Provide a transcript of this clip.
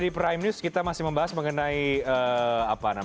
pertemuanangan di wsp dgm